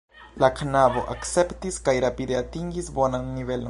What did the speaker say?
La knabo akceptis, kaj rapide atingis bonan nivelon.